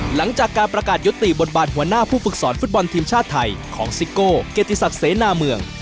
หลังจากการประกาศยุติบทบาทหัวหน้าผู้ฝึกสอนฟุตบอลทีมชาติไทยของซิโก้เกียรติศักดิ์เสนาเมือง